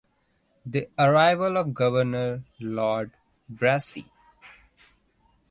The arrival of the Governor Lord Brassey.